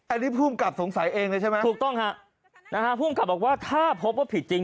อันนี้ภูมิกับสงสัยเองเลยใช่ไหมภูมิกับบอกว่าถ้าพบว่าผิดจริง